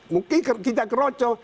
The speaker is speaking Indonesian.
mungkin kita kerocok